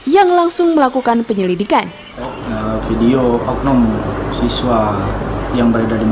yang langsung menyebabkan penyakit yang terjadi